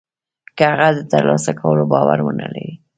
که هغه د تر لاسه کولو باور و نه لري.